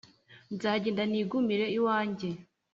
Nzagenda nigumire iwanjye